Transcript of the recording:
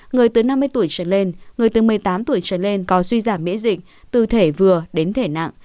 người từ năm mươi tuổi trở lên người từ một mươi tám tuổi trở lên có suy giảm miễn dịch từ thể vừa đến thể nặng